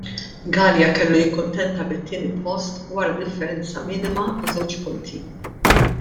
Galea kellu jikkuntenta bit-tieni post, wara differenza minima ta' żewġ punti.